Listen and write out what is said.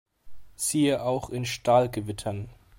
Siehe auch "In Stahlgewittern".